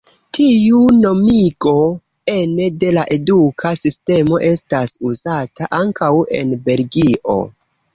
Tiu nomigo ene de la eduka sistemo estas uzata ankaŭ en Belgio.